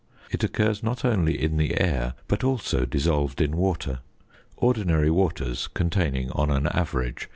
It occurs not only in the air, but also dissolved in water; ordinary waters containing on an average 0.